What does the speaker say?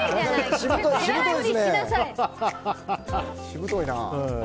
しぶといな。